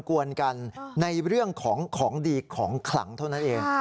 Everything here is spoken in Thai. กวนกันในเรื่องของของดีของขลังเท่านั้นเอง